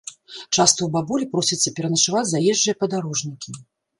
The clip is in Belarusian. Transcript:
Часта ў бабулі просяцца пераначаваць заезджыя падарожнікі.